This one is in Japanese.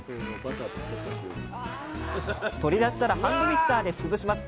取り出したらハンドミキサーで潰します。